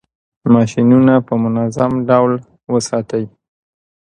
ماشینونه په منظم ډول وساتئ.